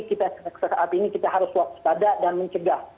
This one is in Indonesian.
kita sekejap ini harus waspada dan mencegah